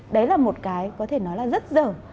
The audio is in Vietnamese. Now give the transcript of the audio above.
đấy là một cái có thể nói là rất dở